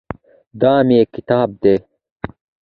دا مېکتاب ده